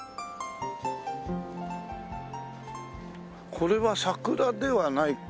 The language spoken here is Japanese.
これは桜ではないか。